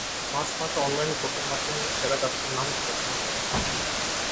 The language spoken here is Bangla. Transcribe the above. মার্চ মাসে অনলাইন ভোটের মাধ্যমে সেরা গাছটির নাম ঘোষণা করা হবে।